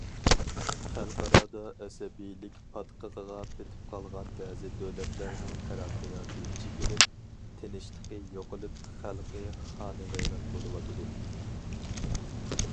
خەلقئارادا ئەسەبىيلىك پاتقىقىغا پېتىپ قالغان بەزى دۆلەتلەرنىڭ تەرەققىياتى چېكىنىپ، تىنچلىقى يوقىلىپ، خەلقى خانىۋەيران بولۇۋاتىدۇ.